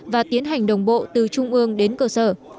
và tiến hành đồng bộ từ trung ương đến cơ sở